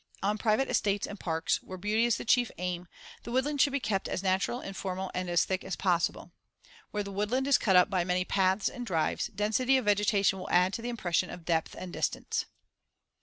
On private estates and parks, where beauty is the chief aim, the woodland should be kept as natural, informal and as thick as possible. Where the woodland is cut up by many paths and drives, density of vegetation will add to the impression of depth and distance.